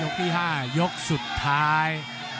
ที่๕ยกสุดท้าย